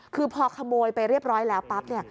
คือพอขโมยไปเรียบร้อยแล้วปั๊บเนี่ย